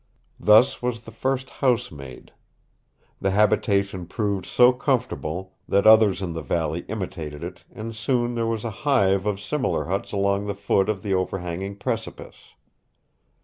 Thus was the first house made. The habitation proved so comfortable that others in the valley imitated it and soon there was a hive of similar huts along the foot of the overhanging precipice.